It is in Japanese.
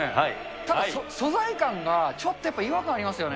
ただ、素材感がちょっとやっぱり違和感ありますよね。